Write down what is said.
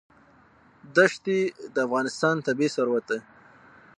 ښتې د افغانستان طبعي ثروت دی.